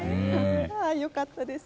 良かったです。